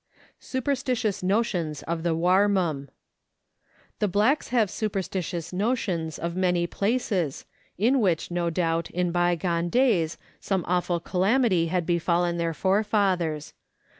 Superstitious Notions of the Warmum. The blacks have superstitious notions of many places, in which, no doubt, in bygone days some awful calamity had befallen their fore fathers.